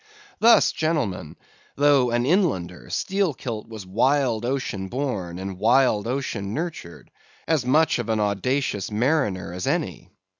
Thus, gentlemen, though an inlander, Steelkilt was wild ocean born, and wild ocean nurtured; as much of an audacious mariner as any.